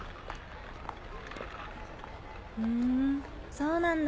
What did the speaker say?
ふんそうなんだ。